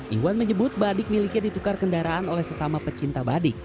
iwan menyebut badik miliknya ditukar kendaraan oleh sesama pecinta badik